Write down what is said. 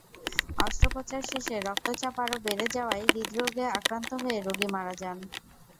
অস্ত্রোপচার শেষে রক্তচাপ আরও বেড়ে যাওয়ায় হৃদ্রোগে আক্রান্ত হয়ে রোগী মারা যান।